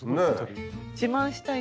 自慢したいし。